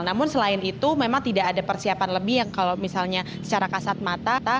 namun selain itu memang tidak ada persiapan lebih yang kalau misalnya secara kasat mata